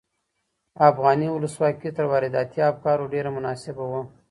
افغاني ولسواکي تر وارداتي افکارو ډېره مناسبه وه.